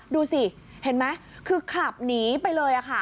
ดูสิเห็นไหมคือขับหนีไปเลยค่ะ